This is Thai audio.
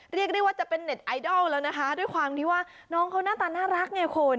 เรียกได้ว่าจะเป็นเน็ตไอดอลแล้วนะคะด้วยความที่ว่าน้องเขาหน้าตาน่ารักไงคุณ